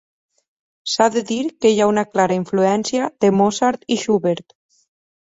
S'ha de dir que hi ha una clara influència de Mozart i Schubert.